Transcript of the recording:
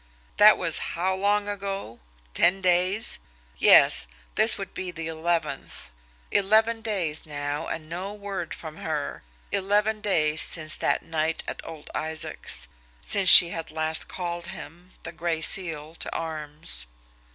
That was how long ago? Ten days? Yes; this would be the eleventh. Eleven days now and no word from her eleven days since that night at old Isaac's, since she had last called him, the Gray Seal, to arms.